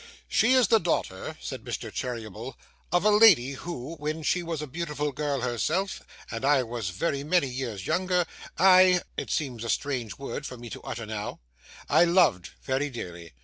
'She is the daughter,' said Mr. Cheeryble, 'of a lady who, when she was a beautiful girl herself, and I was very many years younger, I it seems a strange word for me to utter now I loved very dearly.